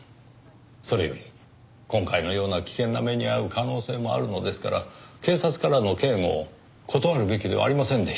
それより今回のような危険な目に遭う可能性もあるのですから警察からの警護を断るべきではありませんでした。